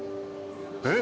えっ！